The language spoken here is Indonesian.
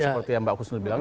seperti yang mbak kusno bilang